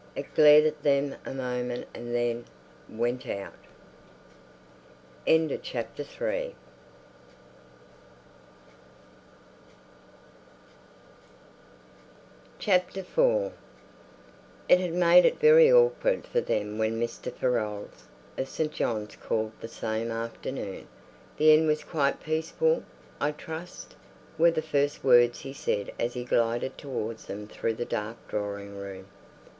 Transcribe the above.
It glared at them a moment and then... went out. IV It had made it very awkward for them when Mr. Farolles, of St. John's, called the same afternoon. "The end was quite peaceful, I trust?" were the first words he said as he glided towards them through the dark drawing room.